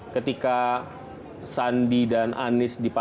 ketika sandi dan anis dipasang